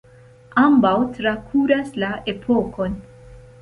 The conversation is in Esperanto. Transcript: Ambaŭ trakuras la epokon.